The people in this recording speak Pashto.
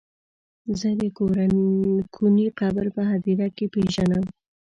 زه د کوني قبر په هديره کې پيژنم.